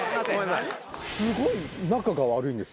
すごい仲が悪いんですよ。